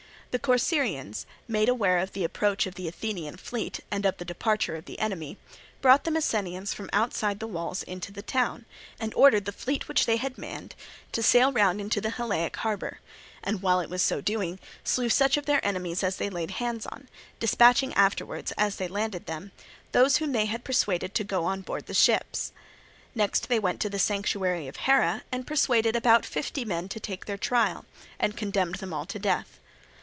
The Corcyraeans, made aware of the approach of the Athenian fleet and of the departure of the enemy, brought the Messenians from outside the walls into the town, and ordered the fleet which they had manned to sail round into the Hyllaic harbour; and while it was so doing, slew such of their enemies as they laid hands on, dispatching afterwards, as they landed them, those whom they had persuaded to go on board the ships. Next they went to the sanctuary of Hera and persuaded about fifty men to take their trial, and condemned them all to death.